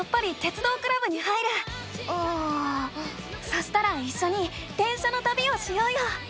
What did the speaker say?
そしたらいっしょに電車のたびをしようよ！